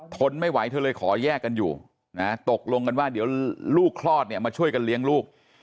ทนไม่ไหวเธอเลยขอแยกกันอยู่นะตกลงกันว่าเดี๋ยวลูกคลอดเนี่ยมาช่วยกันเลี้ยงลูก